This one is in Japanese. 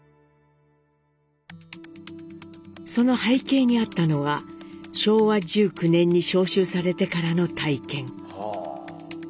その背景にあったのは昭和１９年に召集されてからの体験。